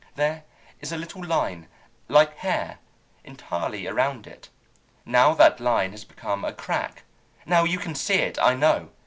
There is a little line, like a hair, entirely around it. Now that line has become a crack. Now you can see it, I know.